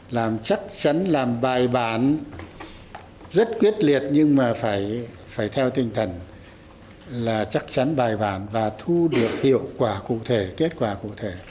làm chắc chắn làm bài bản rất quyết liệt nhưng mà phải theo tinh thần là chắc chắn bài bản và thu được hiệu quả cụ thể kết quả cụ thể